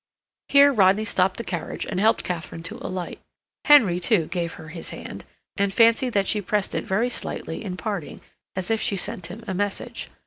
Here Rodney stopped the carriage and helped Katharine to alight. Henry, too, gave her his hand, and fancied that she pressed it very slightly in parting as if she sent him a message.